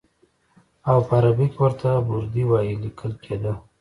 او په عربي کې ورته بردي وایي لیکل کېده.